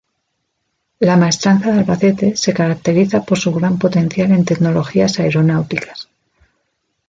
La Maestranza de Albacete se caracteriza por su gran potencial en tecnologías aeronáuticas.